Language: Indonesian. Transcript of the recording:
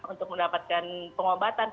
untuk mendapatkan pengobatan